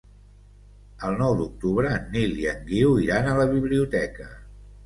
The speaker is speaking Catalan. El nou d'octubre en Nil i en Guiu iran a la biblioteca.